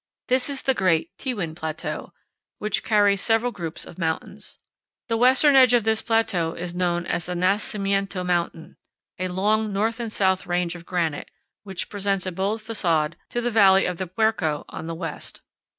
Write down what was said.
This is the great Tewan Plateau, which carries several groups of mountains. The western edge of this plateau is known as the MESAS AND BUTTES. 55 Nacimiento Mountain, a long north and south range of granite, which presents a bold facade to the valley of the Puerco on the west.